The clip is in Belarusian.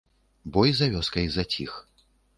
Бой за вёскай заціх.